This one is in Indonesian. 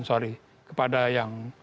sorry kepada yang